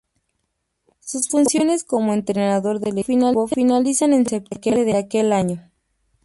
Sus funciones como Entrenador del equipo finalizan en septiembre de aquel año.